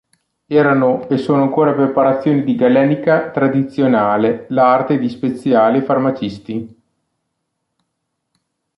Erano e sono ancora preparazioni di galenica tradizionale, l'arte di speziali e farmacisti.